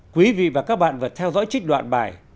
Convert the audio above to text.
quý vị và các bạn vừa theo dõi trích đoạn bài